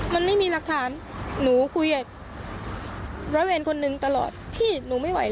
นางสาวสุริวัณบอกอีกว่านับตั้งแต่เกิดเหตุจนถึงขึ้นที่สุริวัณภรรยา